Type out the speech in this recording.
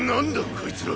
こいつら。